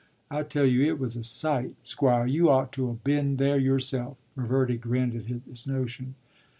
I tell you it was a sight, Squire; you ought to 'a' been there yourself.” Reverdy grinned at his notion.